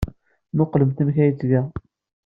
Mmuqqlemt amek ay t-ttgeɣ!